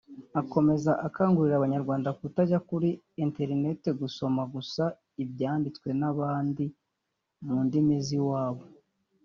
Akomeza akangurira Abanyarwanda kutajya kuri Internet gusoma gusa ibyanditswe n’abandi mu ndimi z’iwabo